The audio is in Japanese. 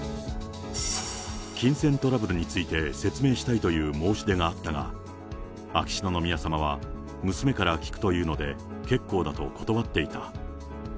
金銭トラブルについて説明したいという申し出があったが、秋篠宮さまは娘から聞くというので、結構だと断っていた。